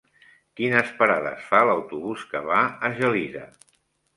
Quines parades fa l'autobús que va a Gelida?